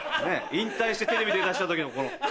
引退してテレビ出だした時のこの。